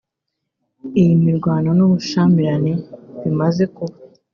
Iyi mirwano n’ubushyamirane bimaze kuba